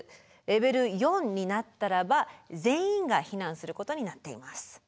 レベル４になったらば全員が避難することになっています。